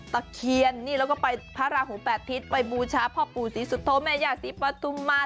ตะเคียนนี่แล้วก็ไปพระราหูแปดทิศไปบูชาพ่อปู่ศรีสุโธแม่ย่าศรีปฐุมมา